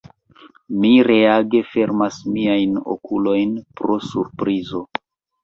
Mi reage fermas miajn okulojn pro surprizo.